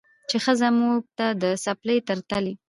چې ښځه موږ ته د څپلۍ تر تلي